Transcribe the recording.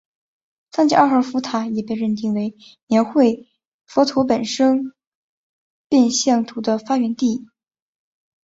桑吉二号佛塔也被认定为描绘佛陀本生变相图的发源地。